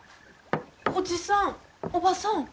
おじさんおばさん。